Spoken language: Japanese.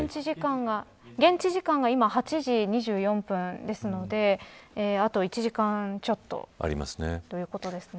現地時間が今８時２４分ですのであと１時間ちょっとということですね。